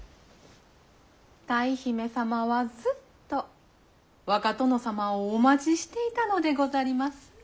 泰姫様はずっと若殿様をお待ちしていたのでござります。